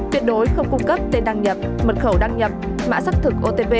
tuyệt đối không cung cấp tên đăng nhập mật khẩu đăng nhập mã xác thực otp